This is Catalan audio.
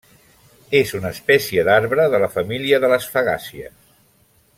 És una espècie d'arbre de la família de les fagàcies.